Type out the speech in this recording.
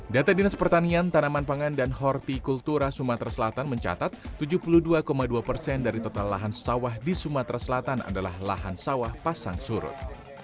data dinas pertanian tanaman pangan dan hortikultura sumatera selatan mencatat tujuh puluh dua dua persen dari total lahan sawah di sumatera selatan adalah lahan sawah pasang surut